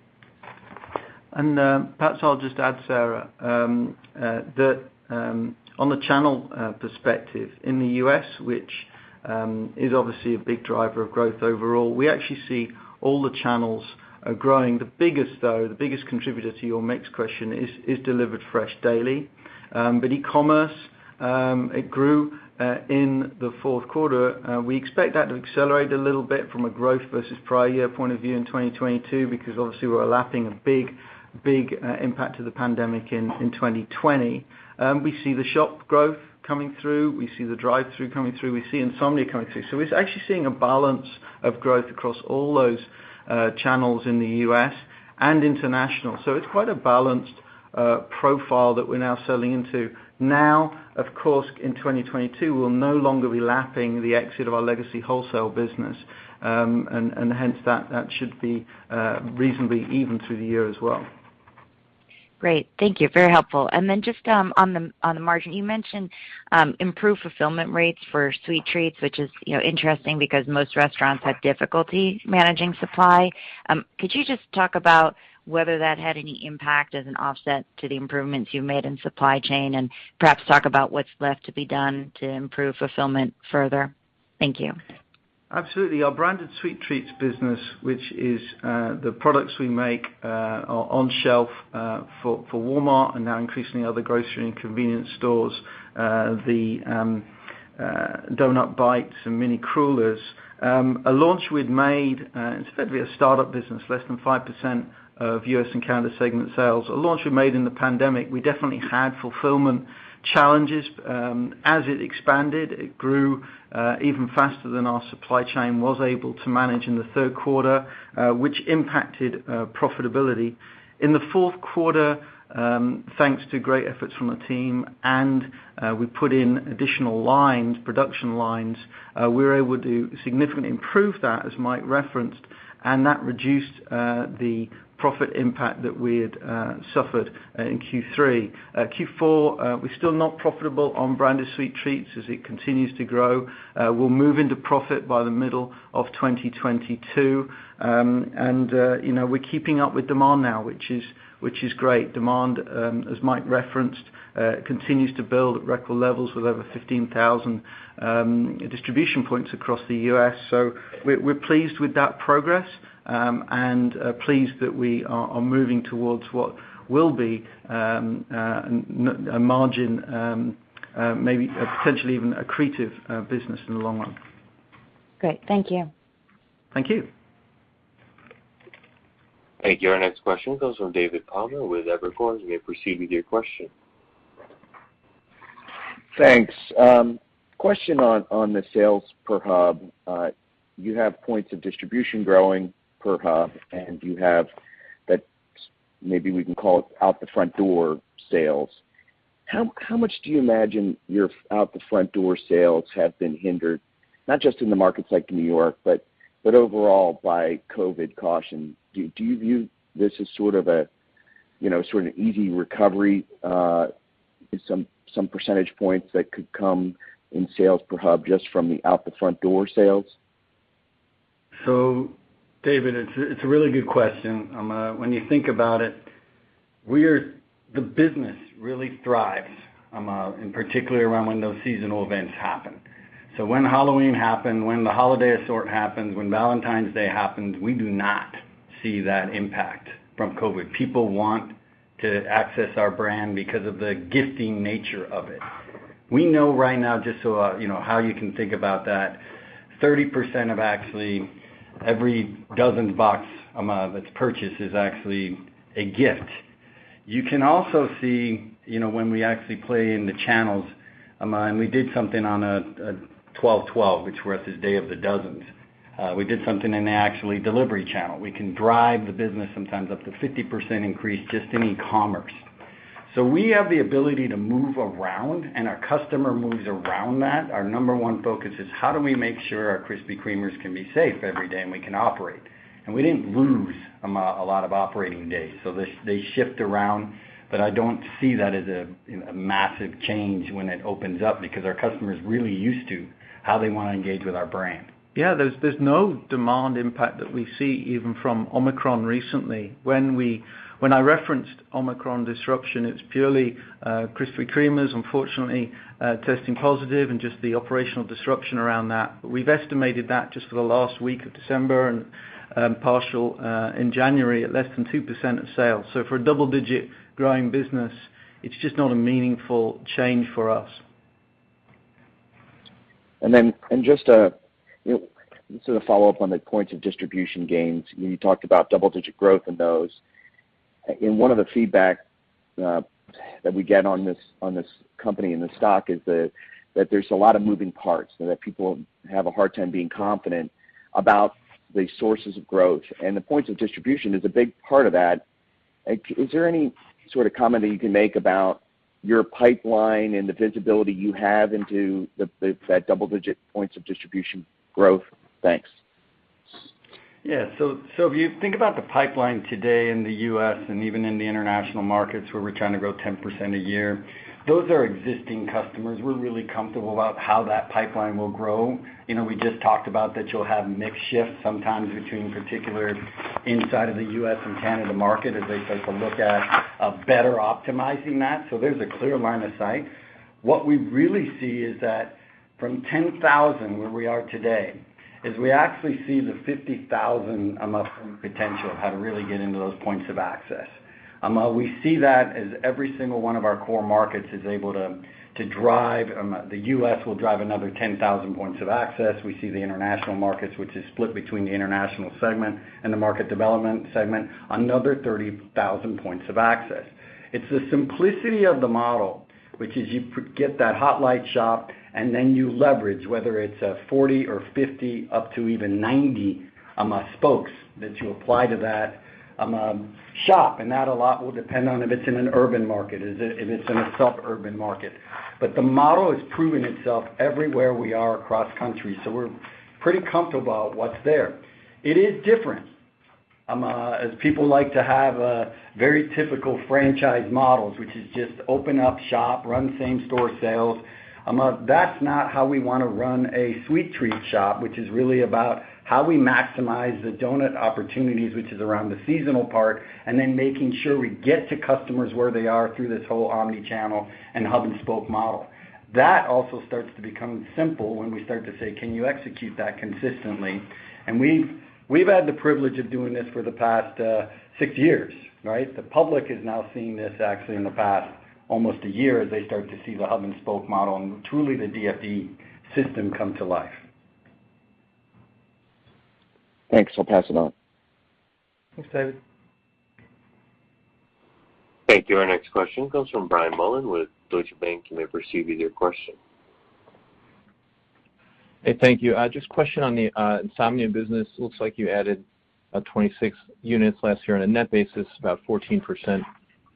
Perhaps I'll just add, Sarah, that on the channel perspective, in the U.S., which is obviously a big driver of growth overall, we actually see all the channels are growing. The biggest contributor to your mix question, though, is Delivered Fresh Daily. E-commerce grew in the fourth quarter. We expect that to accelerate a little bit from a growth versus prior year point of view in 2022 because obviously we're lapping a big impact of the pandemic in 2020. We see the shop growth coming through. We see the drive-thru coming through. We see Insomnia coming through. It's actually seeing a balance of growth across all those channels in the U.S. and international. It's quite a balanced profile that we're now selling into. Now, of course, in 2022, we'll no longer be lapping the exit of our legacy wholesale business, and hence that should be reasonably even through the year as well. Great. Thank you. Very helpful. Just on the margin, you mentioned improved fulfillment rates for sweet treats, which is, you know, interesting because most restaurants have difficulty managing supply. Could you just talk about whether that had any impact as an offset to the improvements you made in supply chain, and perhaps talk about what's left to be done to improve fulfillment further? Thank you. Absolutely. Our Branded Sweet Treats business, which is, the products we make, on shelf, for Walmart and now increasingly other grocery and convenience stores, the Doughnut Bites and Mini Crullers. A launch we'd made, it's effectively a startup business, less than 5% of U.S. and Canada segment sales. A launch we made in the pandemic, we definitely had fulfillment challenges. As it expanded, it grew, even faster than our supply chain was able to manage in the third quarter, which impacted profitability. In the fourth quarter, thanks to great efforts from the team and we put in additional lines, production lines, we were able to significantly improve that, as Mike referenced, and that reduced the profit impact that we had suffered in Q3. Q4, we're still not profitable on Branded Sweet Treats as it continues to grow. We'll move into profit by the middle of 2022. You know, we're keeping up with demand now, which is great. Demand, as Mike referenced, continues to build at record levels with over 15,000 distribution points across the U.S. We're pleased with that progress and pleased that we are moving towards what will be a margin, maybe potentially even accretive, business in the long run. Great. Thank you. Thank you. Thank you. Our next question comes from David Palmer with Evercore. You may proceed with your question. Thanks. Question on the sales per hub. You have points of distribution growing per hub, and you have that, maybe we can call it out the front door sales. How much do you imagine your out the front door sales have been hindered, not just in the markets like New York, but overall by COVID caution? Do you view this as sort of a, you know, sort of easy recovery, some percentage points that could come in sales per hub just from the out the front door sales? David, it's a really good question. When you think about it, the business really thrives in particular around when those seasonal events happen. When Halloween happened, when the holiday assortment happened, when Valentine's Day happened, we do not see that impact from COVID. People want to access our brand because of the gifting nature of it. We know right now, just so you know how you can think about that, 30% of actually every dozen box that's purchased is actually a gift. You can also see, you know, when we actually play in the channels and we did something on a 12/12, which for us is Day of Dozens. We did something in the actually delivery channel. We can drive the business sometimes up to 50% increase just in e-commerce. We have the ability to move around, and our customer moves around that. Our number one focus is how do we make sure our Krispy Kremers can be safe every day and we can operate. We didn't lose a lot of operating days, so they shift around. I don't see that as a, you know, a massive change when it opens up because our customers are really used to how they wanna engage with our brand. Yeah. There's no demand impact that we see even from Omicron recently. When I referenced Omicron disruption, it's purely Krispy Kreme is unfortunately testing positive and just the operational disruption around that. But we've estimated that just for the last week of December and partial in January at less than 2% of sales. So for a double-digit growing business, it's just not a meaningful change for us. Just a, you know, sort of follow up on the points of distribution gains. You talked about double-digit growth in those. In one of the feedback that we get on this company and the stock is that there's a lot of moving parts and that people have a hard time being confident about the sources of growth, and the points of distribution is a big part of that. Is there any sort of comment that you can make about your pipeline and the visibility you have into the double-digit points of distribution growth? Thanks. If you think about the pipeline today in the U.S. and even in the international markets where we're trying to grow 10% a year, those are existing customers. We're really comfortable about how that pipeline will grow. You know, we just talked about that you'll have mix shifts sometimes between particular inside of the U.S. and Canada market as they start to look at better optimizing that. There's a clear line of sight. What we really see is that from 10,000 where we are today, we actually see the 50,000 potential how to really get into those points of access. We see that as every single one of our core markets is able to drive. The U.S. will drive another 10,000 points of access. We see the international markets, which is split between the International segment and the Market Development segment, another 30,000 points of access. It's the simplicity of the model, which is you get that hot light shop and then you leverage whether it's a 40 or 50 up to even 90, spokes that you apply to that, shop. That a lot will depend on if it's in an urban market, if it's in a suburban market. The model has proven itself everywhere we are across countries, so we're pretty comfortable about what's there. It is different, as people like to have a very typical franchise models, which is just open up shop, run same store sales. That's not how we want to run a sweet treat shop, which is really about how we maximize the doughnut opportunities, which is around the seasonal part, and then making sure we get to customers where they are through this whole omni-channel and hub-and-spoke model. That also starts to become simple when we start to say, can you execute that consistently? We've had the privilege of doing this for the past six years, right? The public is now seeing this actually in the past almost a year as they start to see the hub-and-spoke model and truly the DFD system come to life. Thanks. I'll pass it on. Thanks, David. Thank you. Our next question comes from Brian Mullan with Deutsche Bank. You may proceed with your question. Hey, thank you. Just a question on the Insomnia business. Looks like you added 26 units last year on a net basis, about 14%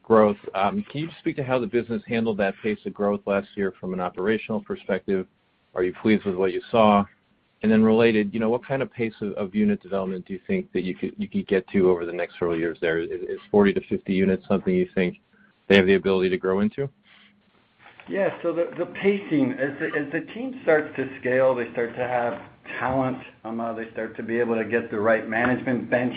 growth. Can you just speak to how the business handled that pace of growth last year from an operational perspective? Are you pleased with what you saw? Related, you know, what kind of pace of unit development do you think that you could get to over the next several years there? Is 40-50 units something you think they have the ability to grow into? Yeah. The pacing. As the team starts to scale, they start to have talent, they start to be able to get the right management bench,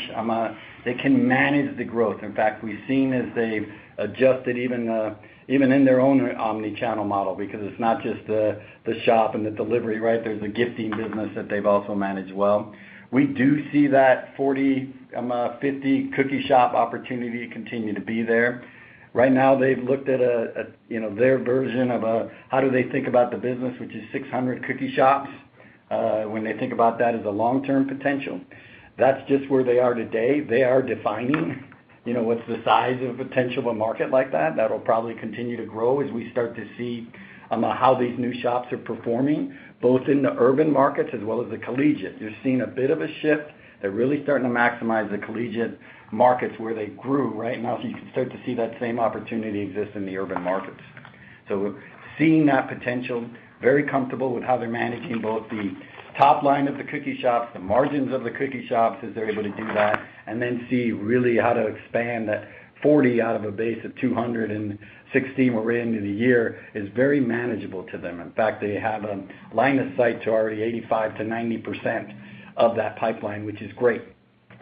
they can manage the growth. In fact, we've seen as they've adjusted even in their own omni-channel model, because it's not just the shop and the delivery, right? There's a gifting business that they've also managed well. We do see that 40-50 cookie shop opportunity continue to be there. Right now they've looked at a you know, their version of how do they think about the business, which is 600 cookie shops, when they think about that as a long-term potential. That's just where they are today. They are defining, you know, what's the size of potential of a market like that. That'll probably continue to grow as we start to see how these new shops are performing, both in the urban markets as well as the collegiate. You're seeing a bit of a shift. They're really starting to maximize the collegiate markets where they grew right now. You can start to see that same opportunity exist in the urban markets. We're seeing that potential, very comfortable with how they're managing both the top line of the cookie shops, the margins of the cookie shops as they're able to do that, and then see really how to expand that 40 out of a base of 260 we're in the year is very manageable to them. In fact, they have a line of sight to already 85%-90% of that pipeline, which is great,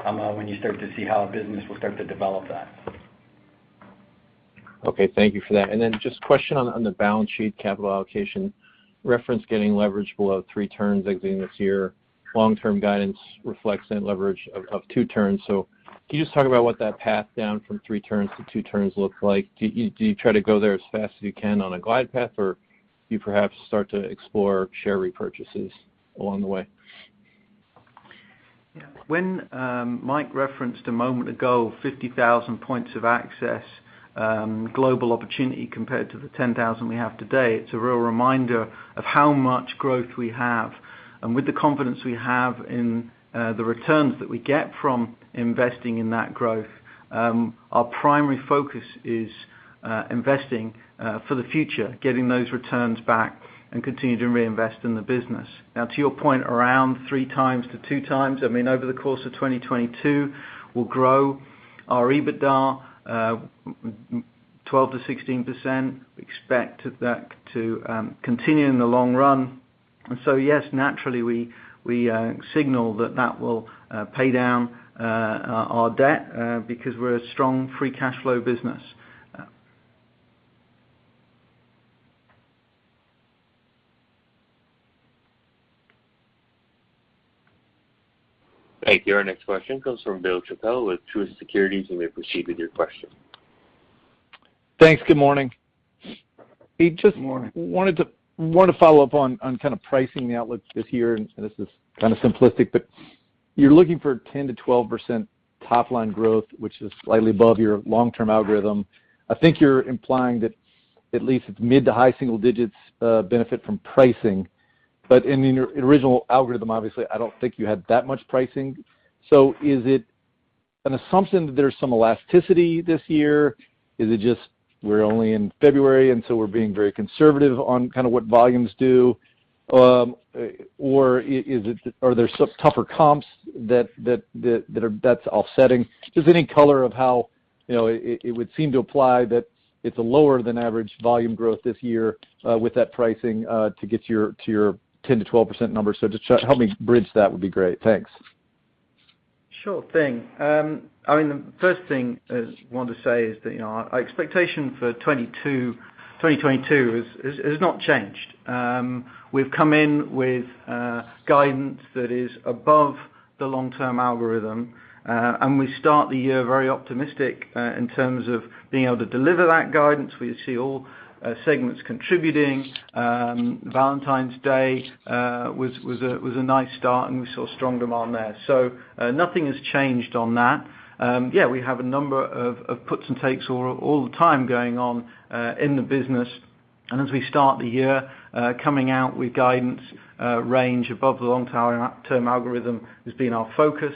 when you start to see how a business will start to develop that. Okay. Thank you for that. Just question on the balance sheet capital allocation reference getting leverage below three turns exiting this year, long-term guidance reflects net leverage of two turns. Can you just talk about what that path down from three turns to two turns look like? Do you try to go there as fast as you can on a glide path, or do you perhaps start to explore share repurchases along the way? Yeah. When Mike referenced a moment ago 50,000 points of access, global opportunity compared to the 10,000 we have today, it's a real reminder of how much growth we have. With the confidence we have in the returns that we get from investing in that growth, our primary focus is investing for the future, getting those returns back and continue to reinvest in the business. Now to your point, around 3x-2x, I mean, over the course of 2022, we'll grow our EBITDA 12%-16%. We expect that to continue in the long run. Yes, naturally we signal that will pay down our debt because we're a strong free cash flow business. Thank you. Our next question comes from Bill Chappell with Truist Securities. You may proceed with your question. Thanks. Good morning. Good morning. We want to follow up on kind of pricing the outlook this year, and this is kind of simplistic, but you're looking for 10%-12% top line growth, which is slightly above your long-term algorithm. I think you're implying that at least it's mid to high single digits benefit from pricing. But in your original algorithm, obviously, I don't think you had that much pricing. Is it an assumption that there's some elasticity this year? Is it just we're only in February, and so we're being very conservative on kind of what volumes do? Or is it? Are there some tougher comps that are that's offsetting? Just any color of how, you know, it would seem to imply that it's a lower than average volume growth this year with that pricing to get to your 10%-12% number. Just help me bridge that would be great. Thanks. Sure thing. I mean, the first thing I wanted to say is that, you know, our expectation for 2022 has not changed. We've come in with guidance that is above the long-term algorithm, and we start the year very optimistic in terms of being able to deliver that guidance. We see all segments contributing. Valentine's Day was a nice start, and we saw strong demand there. So, nothing has changed on that. Yeah, we have a number of puts and takes all the time going on in the business. As we start the year, coming out with guidance range above the long-term algorithm has been our focus.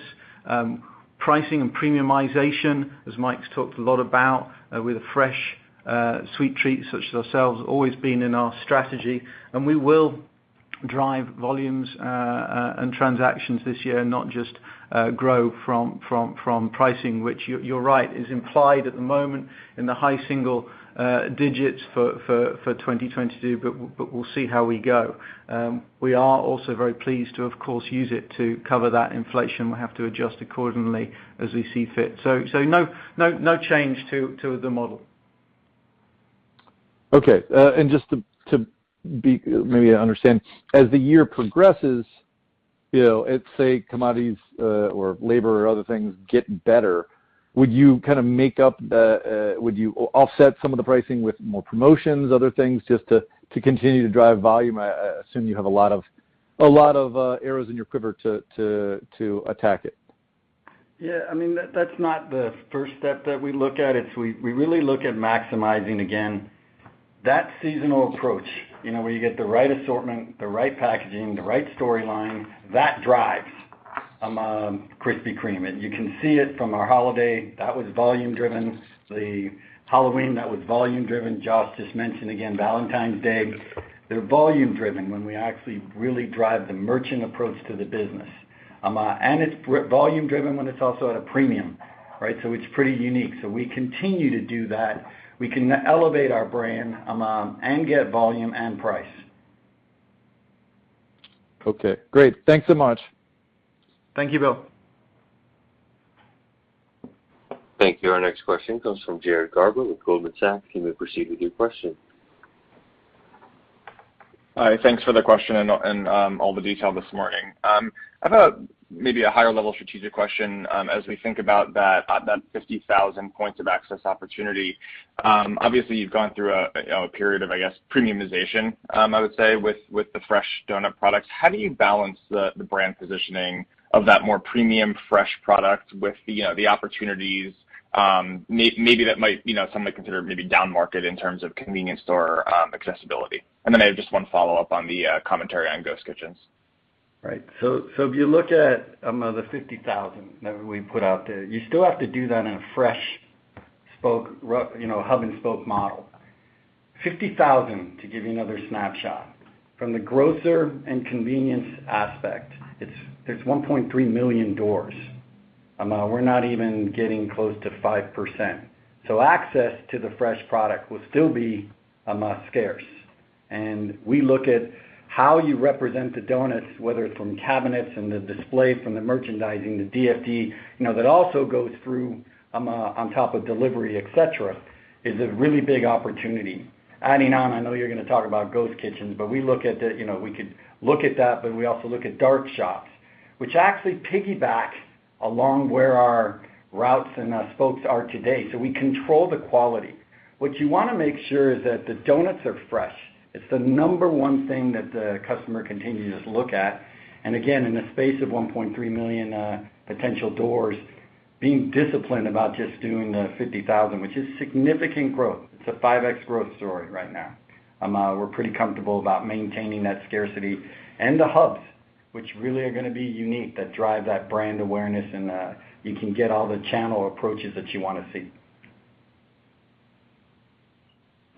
Pricing and premiumization, as Mike's talked a lot about, with fresh sweet treats such as ourselves, always been in our strategy. We will drive volumes and transactions this year, not just grow from pricing, which you're right, is implied at the moment in the high single digits for 2022, but we'll see how we go. We are also very pleased to, of course, use it to cover that inflation. We have to adjust accordingly as we see fit. No change to the model. Okay. Just to maybe understand, as the year progresses, you know, let's say commodities or labor or other things get better, would you offset some of the pricing with more promotions, other things, just to continue to drive volume? I assume you have a lot of arrows in your quiver to attack it. Yeah. I mean, that's not the first step that we look at. It's we really look at maximizing, again, that seasonal approach, you know, where you get the right assortment, the right packaging, the right storyline, that drives Krispy Kreme. You can see it from our holiday. That was volume driven. The Halloween, that was volume driven. Josh just mentioned, again, Valentine's Day. They're volume driven when we actually really drive the merchant approach to the business. It's volume driven when it's also at a premium, right? It's pretty unique. We continue to do that. We can elevate our brand and get volume and price. Okay. Great. Thanks so much. Thank you, Bill. Thank you. Our next question comes from Jared Garber with Goldman Sachs. You may proceed with your question. Hi. Thanks for the question and all the detail this morning. I have maybe a higher level strategic question, as we think about that 50,000 points of access opportunity. Obviously, you've gone through a period of, I guess, premiumization, I would say, with the fresh doughnut products. How do you balance the brand positioning of that more premium fresh product with the opportunities, maybe that might, you know, some may consider downmarket in terms of convenience store accessibility? Then I have just one follow-up on the commentary on ghost kitchens. Right. If you look at the 50,000 that we put out there, you still have to do that in a fresh spoke you know, hub and spoke model. 50,000, to give you another snapshot, from the grocery and convenience aspect, it's 1.3 million doors. We're not even getting close to 5%. Access to the fresh product will still be scarce. We look at how you represent the doughnuts, whether it's from cabinets and the display from the merchandising, the DFD, that also goes through on top of delivery, et cetera, is a really big opportunity. I know you're going to talk about ghost kitchens, but you know, we could look at that, but we also look at dark shops, which actually piggyback along where our routes and our spokes are today. We control the quality. What you want to make sure is that the doughnuts are fresh. It's the number one thing that the customer continues to look at. Again, in the space of 1.3 million potential doors, being disciplined about just doing the 50,000, which is significant growth. It's a 5x growth story right now. We're pretty comfortable about maintaining that scarcity and the hubs, which really are gonna be unique, that drive that brand awareness and you can get all the channel approaches that you want to see.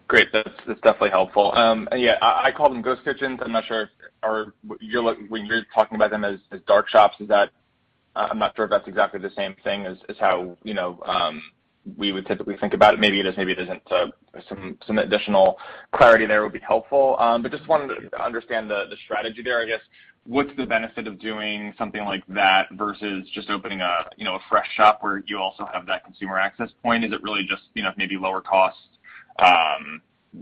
Great. That's definitely helpful. I call them ghost kitchens. I'm not sure if when you're talking about them as dark shops, is that exactly the same thing as how, you know, we would typically think about it. Maybe it is, maybe it isn't. Some additional clarity there would be helpful. I just wanted to understand the strategy there. I guess, what's the benefit of doing something like that versus just opening a, you know, a fresh shop where you also have that consumer access point? Is it really just, you know, maybe lower cost,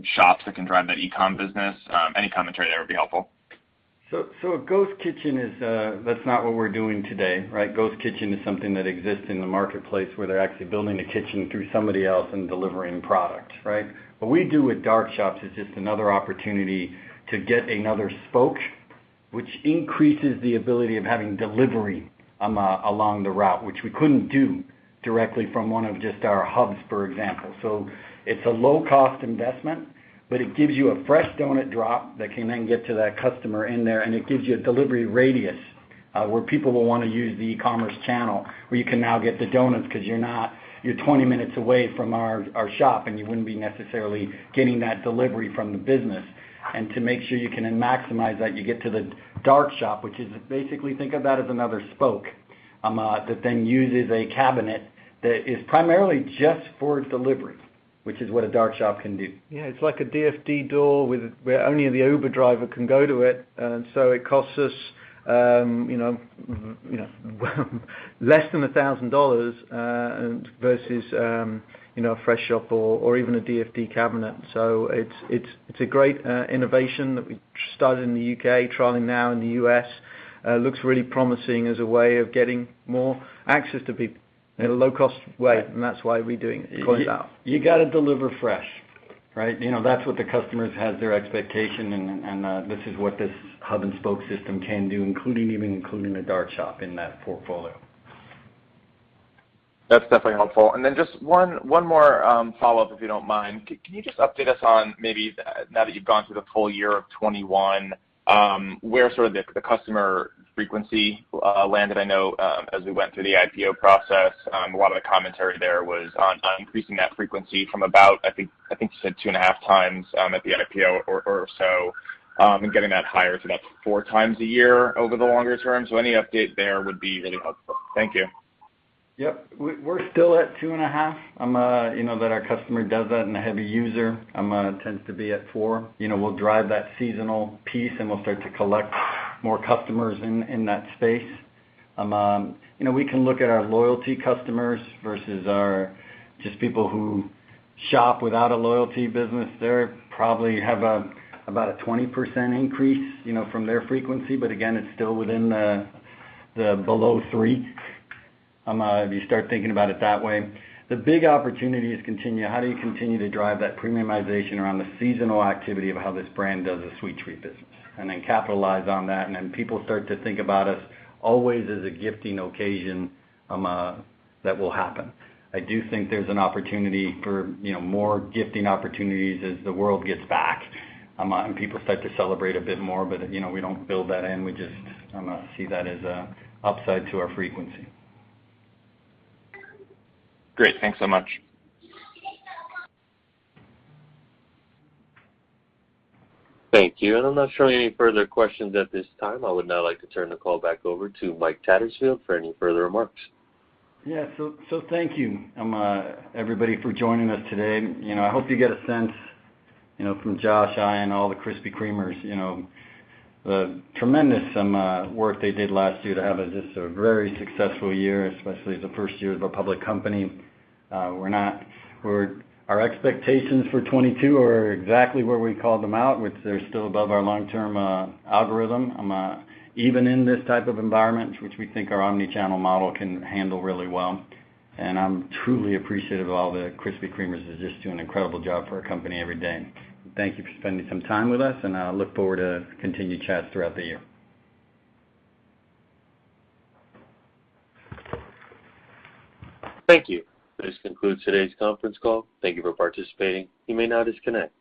shops that can drive that e-com business. Any commentary there would be helpful. A ghost kitchen is, that's not what we're doing today, right? Ghost kitchen is something that exists in the marketplace, where they're actually building a kitchen through somebody else and delivering product, right? What we do with dark shops is just another opportunity to get another spoke, which increases the ability of having delivery along the route, which we couldn't do directly from one of just our hubs, for example. It's a low-cost investment, but it gives you a fresh doughnut drop that can then get to that customer in there, and it gives you a delivery radius where people will wanna use the e-commerce channel, where you can now get the doughnuts 'cause you're 20 minutes away from our shop, and you wouldn't be necessarily getting that delivery from the business. To make sure you can then maximize that, you get to the dark shop, which is basically, think of that as another spoke, that then uses a cabinet that is primarily just for delivery, which is what a dark shop can do. Yeah. It's like a DFD door where only the Uber driver can go to it. It costs us, you know, less than $1,000 versus a fresh shop or even a DFD cabinet. It's a great innovation that we started in the U.K., trialing now in the U.S. It looks really promising as a way of getting more access to people in a low-cost way. Yeah. That's why we're doing it, calling it out. You gotta deliver fresh, right? You know, that's what the customers has their expectation, and this is what this hub and spoke system can do, including a dark shop in that portfolio. That's definitely helpful. Just one more follow-up, if you don't mind. Can you just update us on maybe, now that you've gone through the full year of 2021, where sort of the customer frequency landed? I know, as we went through the IPO process, a lot of the commentary there was on increasing that frequency from about, I think you said 2.5 times at the IPO or so, and getting that higher to about four times a year over the longer term. Any update there would be really helpful. Thank you. Yep. We're still at 2.5, you know, that our customer does that, and a heavy user tends to be at four. You know, we'll drive that seasonal piece, and we'll start to collect more customers in that space. You know, we can look at our loyalty customers versus our just people who shop without a loyalty business. They probably have about a 20% increase, you know, from their frequency. Again, it's still within the below three if you start thinking about it that way. The big opportunity is continue. How do you continue to drive that premiumization around the seasonal activity of how this brand does a sweet treat business, and then capitalize on that, and then people start to think about us always as a gifting occasion, that will happen. I do think there's an opportunity for, you know, more gifting opportunities as the world gets back, and people start to celebrate a bit more. You know, we don't build that in. We just see that as an upside to our frequency. Great. Thanks so much. Thank you. I'm not showing any further questions at this time. I would now like to turn the call back over to Mike Tattersfield for any further remarks. Thank you, everybody for joining us today. You know, I hope you get a sense, you know, from Josh, I, and all the Krispy Kremers, you know, the tremendous work they did last year to have this a very successful year, especially as the first year of a public company. Our expectations for 2022 are exactly where we called them out, which they're still above our long-term algorithm, even in this type of environment, which we think our omni-channel model can handle really well. I'm truly appreciative of all the Krispy Kremers that just do an incredible job for our company every day. Thank you for spending some time with us, and I look forward to continued chats throughout the year. Thank you. This concludes today's conference call. Thank you for participating. You may now disconnect.